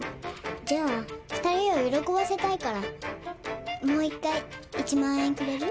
じゃあ２人を喜ばせたいからもう一回１万円くれる？